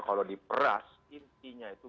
kalau diperas intinya itu